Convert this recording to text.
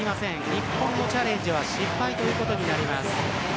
日本のチャレンジは失敗となります。